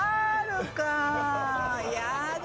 やだ！